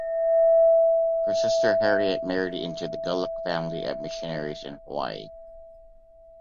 Her sister Harriet married into the Gulick family of missionaries in Hawaii.